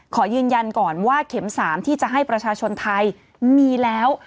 ขอยืนยันก่อนว่าเข็ม๓ที่จะให้ประชาชนไทยมีแล้ว